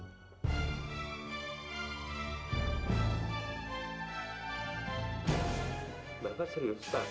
bapak serius pak